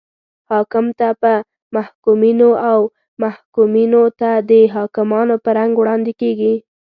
حاکم ته په محکومینو او محکومینو ته د حاکمانو په رنګ وړاندې کیږي.